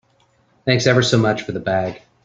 Thanks ever so much for the bag.